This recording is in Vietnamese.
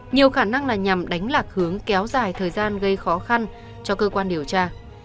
nhiều khả năng là nhằm đánh lạc hướng kéo dài thời gian gây khó khăn cho cơ quan điều tra